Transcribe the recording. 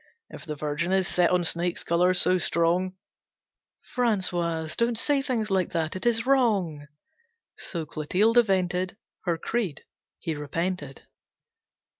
If the Virgin is set on snake's colours so strong, " "Francois, don't say things like that, it is wrong." So Clotilde vented Her creed. He repented.